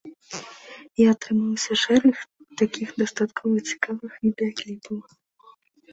І атрымаўся шэраг такіх дастаткова цікавых відэакліпаў.